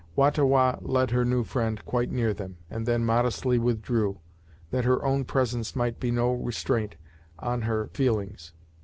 Wah ta Wah led her new friend quite near them, and then modestly withdrew, that her own presence might be no restraint on her feelings.